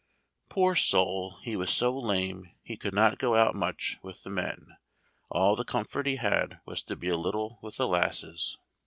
Poor soul, he was so lame he could not go out much with the men; all the comfort he had was to be a little with the lasses.